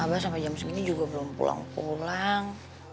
abah sampai jam segini juga belum pulang pulang